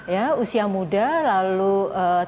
ya usia muda lalu ee